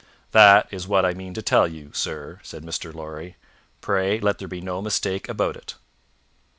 "That is what I mean to tell you, sir," said Mr. Lorry. "Pray let there be no mistake about it."